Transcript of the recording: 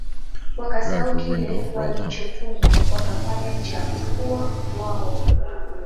wakasahau kile walichotumwa wakafanya cha kuwa wao